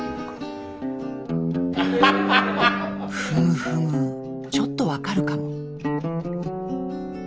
ふむふむちょっと分かるかも。